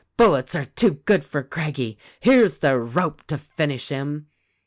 Bullets are too good for Crag gie — here's the rope to finish him